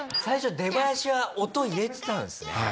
最初出囃子は音入れてたんですね？